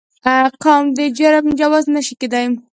قوم د جرم جواز نه شي کېدای.